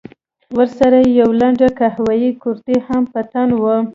ورسره يې يوه لنډه قهويي کورتۍ هم په تن وه.